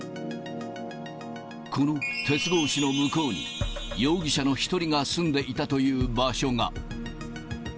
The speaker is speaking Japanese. この鉄格子の向こうに、容疑者の１人が住んでいたという場所が。